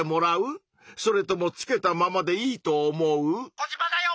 「コジマだよ！」。